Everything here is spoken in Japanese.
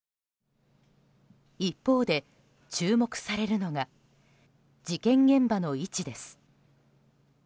一方で、注目されるのが事件現場の位置です。